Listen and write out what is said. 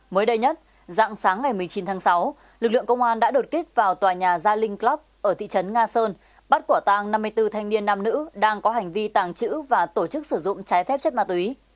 tối nay dặn sáng ngày một mươi chín tháng sáu lực lượng công an đã đột kết vào tòa nhà gia linh club ở thị trấn nga sơn bắt quả tàng năm mươi bốn thanh niên nam nữ đang có hành vi tàng trữ và tổ chức sử dụng trái phép chất ma túy